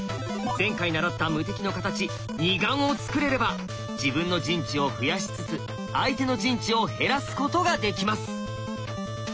前回習った無敵の形「二眼」をつくれれば自分の陣地を増やしつつ相手の陣地を減らすことができます。